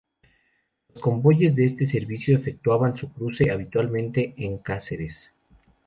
Los convoyes de este servicio efectuaban su cruce, habitualmente, en Cáceres.